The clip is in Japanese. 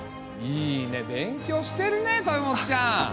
いいね勉強してるね豊本ちゃん！